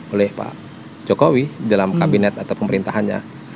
oleh pak jokowi dalam kabinet atau pemerintahannya